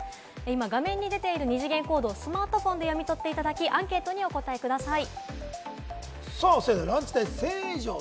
画面に出ている二次元コードをスマートフォンで読み取っていただき、アンケートにお答えください。